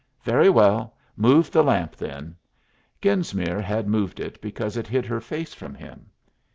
"Very well, move the lamp then." Genesmere had moved it because it hid her face from him.